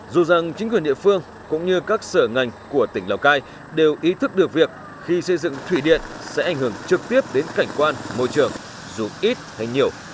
dù rằng chính quyền địa phương cũng như các sở ngành của tỉnh lào cai đều ý thức được việc khi xây dựng thủy điện sẽ ảnh hưởng trực tiếp đến cảnh quan môi trường dù ít hay nhiều